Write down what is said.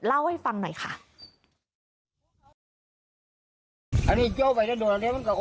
เล่าให้ฟังหน่อยค่ะ